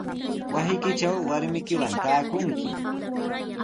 Wasiykitraw warmiykiwan taakunki.